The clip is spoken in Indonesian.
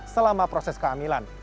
setelah proses kehamilan